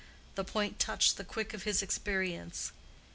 The point touched the quick of his experience.